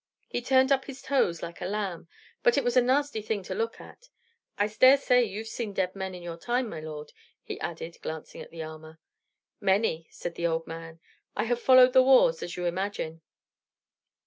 He turned up his toes like a lamb. But it was a nasty thing to look at. I dare say you've seen dead men in your time, my lord?" he added, glancing at the armor. "Many," said the old man. "I have followed the wars, as you imagine."